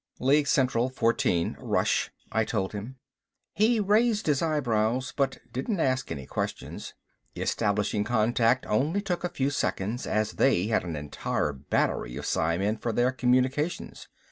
"League Central 14 rush," I told him. He raised his eyebrows, but didn't ask any questions. Establishing contact only took a few seconds, as they had an entire battery of psimen for their communications.